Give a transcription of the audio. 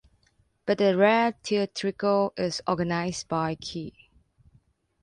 But "The Rare Theatrical" is organized by key.